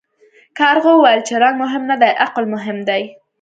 کارغه وویل چې رنګ مهم نه دی عقل مهم دی.